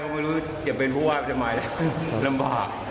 ไม่รู้จะเป็นผู้ว่าทำไมลำบาก